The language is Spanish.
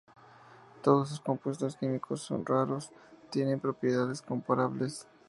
Todos sus compuestos químicos raros tienen propiedades comparables.